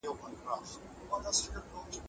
علمي پلټنه د هرې ټولني د بقا اساس دی.